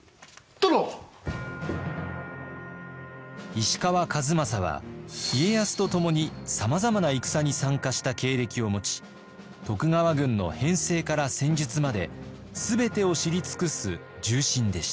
石川数正は家康と共にさまざまな戦に参加した経歴を持ち徳川軍の編制から戦術まで全てを知り尽くす重臣でした。